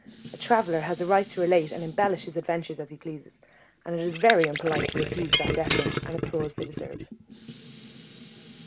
A traveller has a right to relate and embellish his adventures as he pleases, and it is very unpolite to refuse that deference and applause they deserve.